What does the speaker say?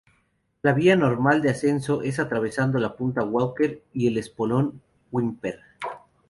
La vía normal de ascenso es atravesando la punta Walker y el espolón Whymper.